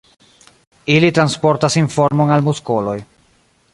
Ili transportas informon al muskoloj.